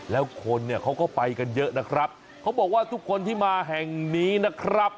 แล้วคนเนี่ยเขาก็ไปกันเยอะนะครับเขาบอกว่าทุกคนที่มาแห่งนี้นะครับ